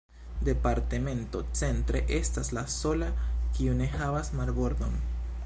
Departemento "Centre" estas la sola, kiu ne havas marbordon.